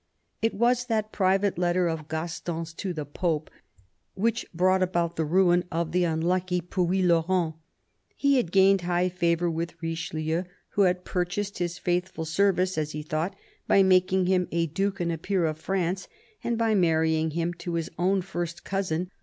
It was that private letter of Gaston's to the Pope which brought about the ruin of the unlucky Puylaurens. He had gained high favour with 'Richelieu, who had purchased his faithful service, as he thought, by making him a duke and a peer of France and by marrying him to his own first cousin.